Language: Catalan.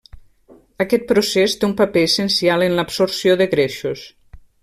Aquest procés té un paper essencial en l’absorció de greixos.